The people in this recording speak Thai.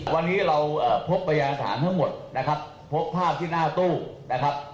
วันนี้เราพบพยานฐานทั้งหมดนะครับพบภาพที่หน้าตู้นะครับ